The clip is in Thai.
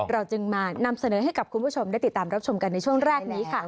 เราจึงมานำเสนอให้กับคุณผู้ชมได้ติดตามรับชมกันในช่วงแรกนี้ค่ะ